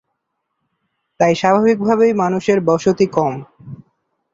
তাই স্বাভাবিক ভাবেই মানুষের বসতি কম।